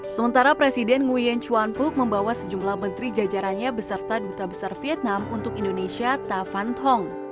sementara presiden nguyen chuan phuk membawa sejumlah menteri jajarannya beserta duta besar vietnam untuk indonesia tavan tong